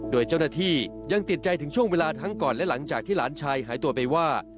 โดยเจ้าหน้าที่ยังติดใจถึงช่วงเวลาทั้งก่อนและหลังจากที่หลานชายหายตัวไปว่า